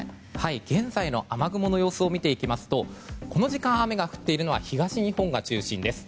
現在の雨雲の様子を見ていきますとこの時間、雨が降っているのは東日本が中心です。